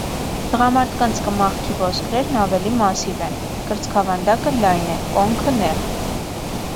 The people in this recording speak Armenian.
Տղամարդկանց կմախքի ոսկրերն ավելի մասսիվ են, կրծքավանդակը լայն է, կոնքը՝ նեղ։